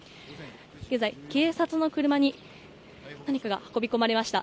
現在、警察の車に何かが運び込まれました。